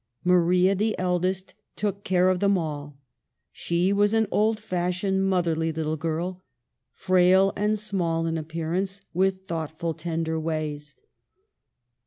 Maria, the eldest, took care of them all — she was an old fashioned, motherly little girl ; frail and small in appear ance, with thoughtful, tender ways.